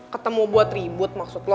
ketemu buat ribut maksud lo